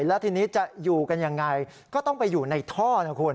แล้วทีนี้จะอยู่กันยังไงก็ต้องไปอยู่ในท่อนะคุณ